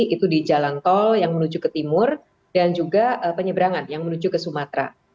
itu di jalan tol yang menuju ke timur dan juga penyeberangan yang menuju ke sumatera